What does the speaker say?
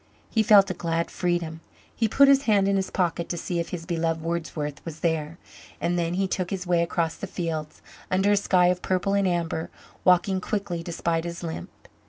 He felt a glad freedom. He put his hand in his pocket to see if his beloved Wordsworth was there and then he took his way across the fields, under a sky of purple and amber, walking quickly despite his limp.